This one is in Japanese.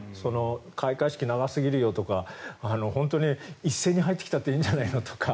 開会式、長すぎるよとか本当に一斉に入ってきてもいいんじゃないのとか。